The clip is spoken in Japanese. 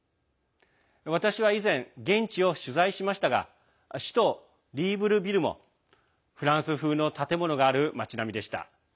私は以前、現地を取材しましたが首都リーブルビルもフランス風の建物がある町並みでした。